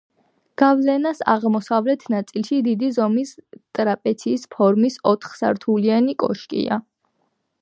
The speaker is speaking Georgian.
გალავნის აღმოსავლეთ ნაწილში დიდი ზომის ტრაპეციის ფორმის ოთხსართულიანი კოშკია.